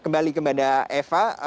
kembali kepada eva